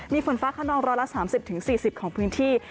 มีฝนฟ้าขนองร้อยละ๓๐๔๐ของพื้นที่